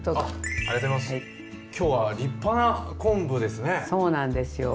今日は立派な昆布ですね。